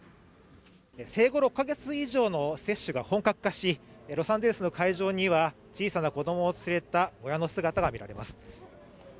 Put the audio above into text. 生後６カ月以上の接種が本格化しロサンゼルスの会場には小さな子供を連れた親の姿が見られます。